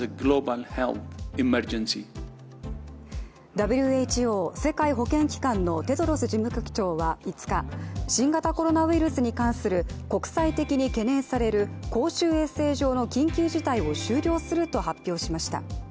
ＷＨＯ＝世界保健機関のテドロス事務局長は５日新型コロナウイルスに関する国際的に懸念される公衆衛生上の緊急事態を終了すると発表しました。